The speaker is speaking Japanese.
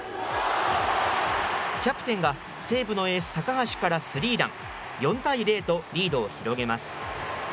キャプテンが西武のエース、高橋からスリーラン、４対０とリードを広げます。